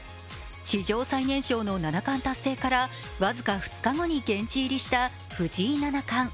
史上最年少の七冠達成からわずか２日後に現地入りした藤井七冠。